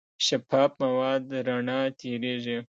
شفاف مواد رڼا تېرېږي.